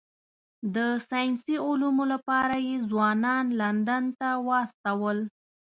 د ساینسي علومو لپاره یې ځوانان لندن ته واستول.